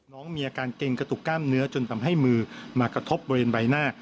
น้องมีอาการเกรงกระตุกกล้ามเนื้อจนทำให้มือมากระทบบริเวณใบหน้า